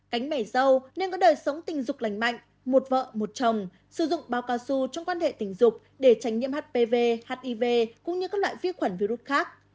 cánh mẻ dâu nên có đời sống tình dục lành mạnh một vợ một chồng sử dụng báo cao su trong quan hệ tình dục để tránh nhiễm hpv hiv cũng như các loại vi khuẩn virus khác